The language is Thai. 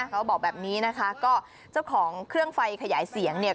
พอนี้นะคะเจ้าของเครื่องไฟขยายเสียงเนี่ย